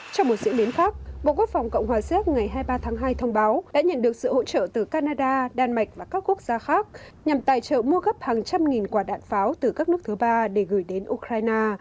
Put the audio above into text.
trong một diễn biến khác bộ quốc phòng cộng hòa xếp ngày hai mươi ba tháng hai thông báo đã nhận được sự hỗ trợ từ canada đan mạch và các quốc gia khác nhằm tài trợ mua gấp hàng trăm nghìn quả đạn pháo từ các nước thứ ba để gửi đến ukraine